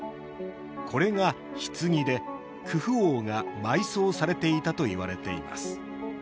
これが棺でクフ王が埋葬されていたといわれています